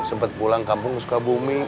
sempet pulang kampung suka bumi